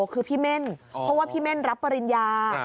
คือพี่เม่นเพราะว่าพี่เม่นรับปริญญา